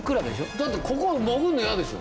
だってここを上るの嫌でしょ。